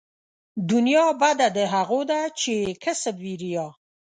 دنيا بده د هغو ده چې يې کسب وي ريا